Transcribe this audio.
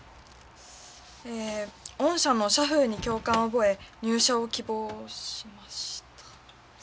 えー御社の社風に共感を覚え入社を希望しました。